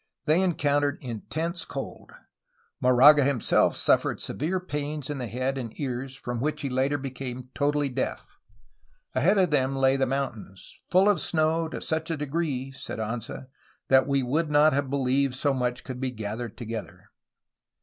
They encountered intense cold; Moraga himself suffered severe pains in the head and ears from which he later became totally deaf. Ahead of them lay the mountains "full of snow to such a degree," said Anza, '* that we would not have believed so much could be gathered together."